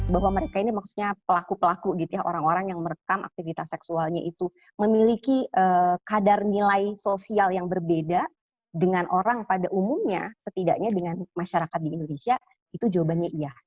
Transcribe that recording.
bahwa mereka ini maksudnya pelaku pelaku gitu ya orang orang yang merekam aktivitas seksualnya itu memiliki kadar nilai sosial yang berbeda dengan orang pada umumnya setidaknya dengan masyarakat di indonesia itu jawabannya iya